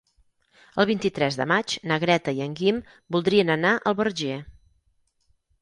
El vint-i-tres de maig na Greta i en Guim voldrien anar al Verger.